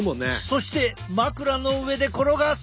そして枕の上で転がす。